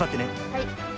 はい。